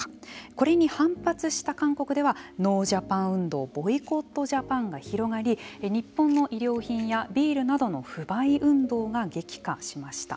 これに反発した韓国ではノージャパン運動ボイコットジャパンが広がり日本の衣料品やビールなどの不買運動が激化しました。